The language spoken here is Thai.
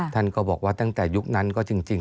ท่านก็บอกว่าตั้งแต่ยุคนั้นก็จริง